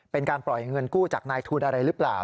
เป็นการปล่อยเงินกู้จากนายทุนอะไรหรือเปล่า